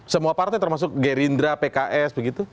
semua partai termasuk gerindra pks begitu